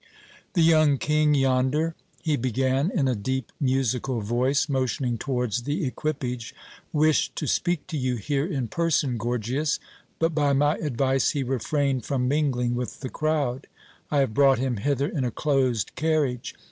"The young King yonder," he began in a deep, musical voice, motioning towards the equipage, "wished to speak to you here in person, Gorgias, but by my advice he refrained from mingling with the crowd. I have brought him hither in a closed carriage.